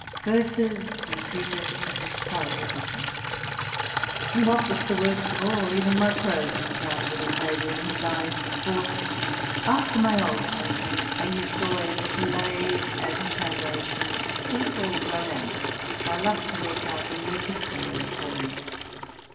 Verses he treated as a sorry addition: and, what was the worst of all, even my prose found little favor in his eyes ; for, after my old fashion, I used always to lay, as the founda tion, a little romance, which I loved to work out in the epis tolary form.